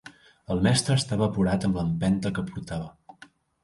El mestre estava apurat amb l'empenta que portava